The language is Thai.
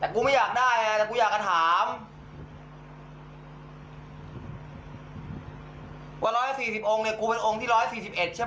ล็อกมือบอกแล้วว่ากูยังไม่ได้กูยังไม่ได้